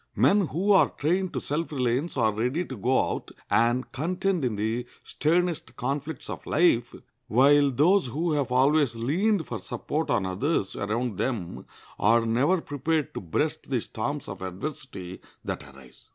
Men who are trained to self reliance are ready to go out and contend in the sternest conflicts of life, while those who have always leaned for support on others around them are never prepared to breast the storms of adversity that arise.